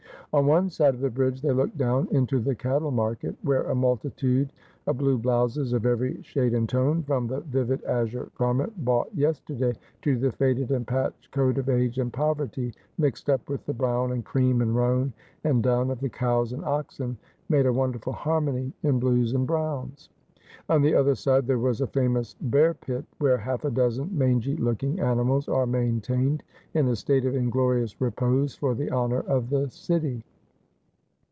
On one side of the bridge they looked down into the cattle market, where a multitude of blue blouses, of every shade and tone, from the vivid azure garment bought yesterday, to the faded and patched coat of age and poverty, mixed up with the brown, and cream, and roan, and dun of the cows and oxen, made a wonderful harmony in blues and browns. On the other side there was a famous bear pit, v/here half a dozen mangy looking animals are maintained in a state of inglorious repose for the honour of the city.